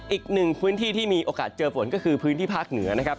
อีกหนึ่งพื้นที่ที่มีโอกาสเจอฝนก็คือพื้นที่ภาคเหนือนะครับ